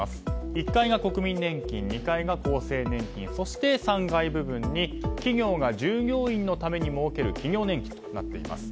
１階が国民年金、２階が厚生年金そして３階部分に企業が従業員のために設ける企業年金となっています。